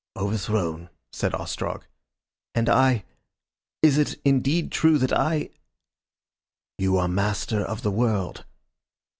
"Overthrown," said Ostrog. "And I . Is it indeed true that I ?" "You are Master of the World."